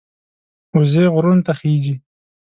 وزې غرونو ته خېژي